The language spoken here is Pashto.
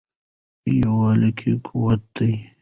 په یووالي کې قوت دی.